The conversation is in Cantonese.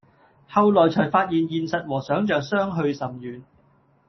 後來才發現現實和想像相去甚遠